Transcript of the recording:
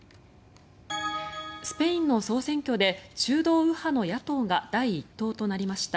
スペインの総選挙で中道右派の野党が第１党となりました。